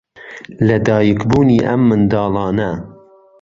لەدایکبوونی ئەم منداڵانە